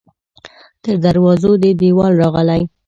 تر دروازو دې دیوال راغلی